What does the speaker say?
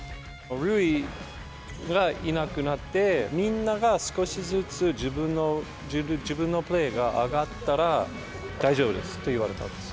塁がいなくなって、みんなが少しずつ自分のプレーが上がったら大丈夫ですって言われたんです。